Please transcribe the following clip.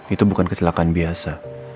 itu bukan kecelakaan biasa